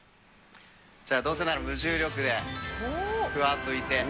じゃあどうせなら無重力で、ふわっと浮いて。